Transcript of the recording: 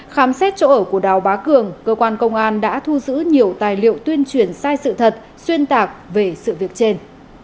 khám xét chỗ ở của đào bá cường cơ quan công an đã thu giữ nhiều tài liệu tuyên truyền sai sự thật xuyên tạc về sự việc trên